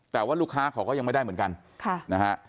แต่ว่าลูกค้าเขาก็ยังไม่ได้เหมือนกันนะฮะ